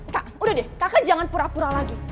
kak udah deh kakak jangan pura pura lagi